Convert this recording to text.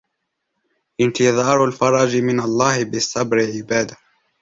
انْتِظَارُ الْفَرْجِ مِنْ اللَّهِ بِالصَّبْرِ عِبَادَةٌ